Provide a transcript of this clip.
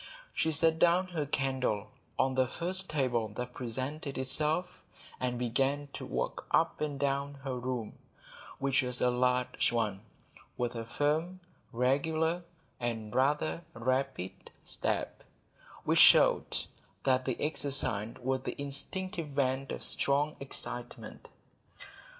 She set down her candle on the first table that presented itself, and began to walk up and down her room, which was a large one, with a firm, regular, and rather rapid step, which showed that the exercise was the instinctive vent of strong excitement.